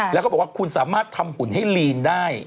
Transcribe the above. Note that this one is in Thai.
แล้วก็บอกว่าคุณสามารถทำหุ่นให้ลีนได้